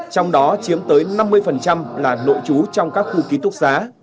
trong đó chiếm tới năm mươi là nội trú trong các khu ký túc xá